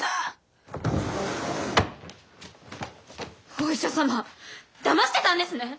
お医者様だましてたんですね！